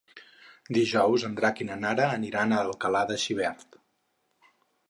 Dijous en Drac i na Nara aniran a Alcalà de Xivert.